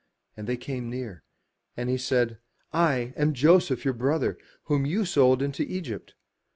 And they came near. And he said, "I am Joseph your brother, whom you sold into Egypt.